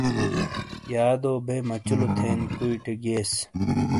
یادو بے مچلو تھین کوئی ٹے گیئس۔